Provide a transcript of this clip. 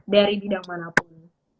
dari bidang manapun